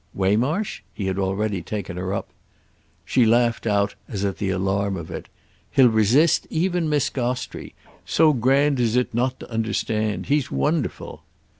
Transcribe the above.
"Waymarsh?"—he had already taken her up. She laughed out as at the alarm of it. "He'll resist even Miss Gostrey: so grand is it not to understand. He's wonderful."